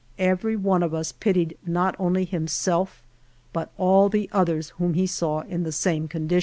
Every one of us pitied not only himself, but all the others whom he saw in the same condition.